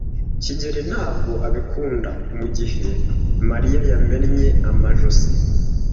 kigeli ntabwo abikunda mugihe Mariya yamennye amajosi.